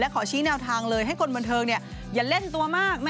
ขอชี้แนวทางเลยให้คนบันเทิงอย่าเล่นตัวมาก